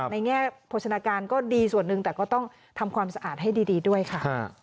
แง่โภชนาการก็ดีส่วนหนึ่งแต่ก็ต้องทำความสะอาดให้ดีด้วยค่ะ